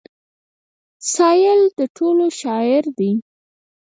سايل د ټولو شاعر دی.